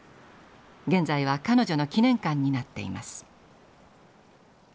現在は彼女の記念館になっています。